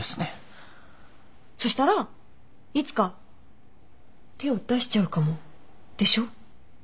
そしたらいつか手を出しちゃうかもでしょ？